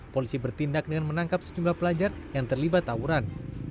polisi bertindak dengan menangkap sejumlah pelajar yang terlibat tawuran